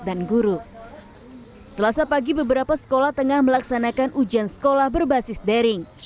dan guru selasa pagi beberapa sekolah tengah melaksanakan ujian sekolah berbasis daring